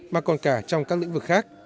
mà còn cả trong các lĩnh vực khác